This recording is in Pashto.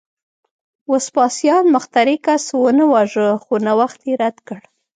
وسپاسیان مخترع کس ونه واژه، خو نوښت یې رد کړ